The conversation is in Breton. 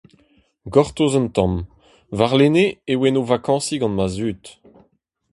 Gortoz un tamm, warlene e oan o vakañsiñ gant ma zud.